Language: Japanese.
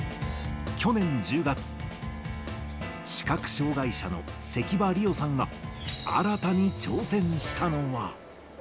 去年１０月、視覚障がい者の関場理生さんが、新たに挑戦したのは。